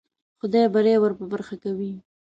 خدای بری ور په برخه کوي.